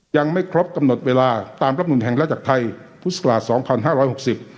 ยังไม่ครบกำหนดเวลาตามรับหนุนแห่งรัฐกาลัยไทยพฤษภาส๒๕๖๐